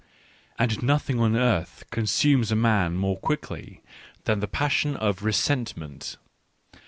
And nothing on earth consumes a man more quickly than the passion of resentment.